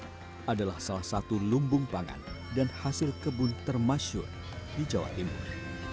ini adalah salah satu lumbung pangan dan hasil kebun termasyur di jawa timur